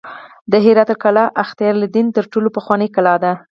د هرات قلعه اختیارالدین تر ټولو پخوانۍ کلا ده